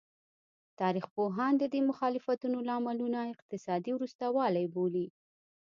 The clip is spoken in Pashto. تاریخ پوهان د دې مخالفتونو لاملونه اقتصادي وروسته والی بولي.